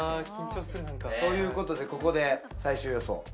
ということでここで最終予想。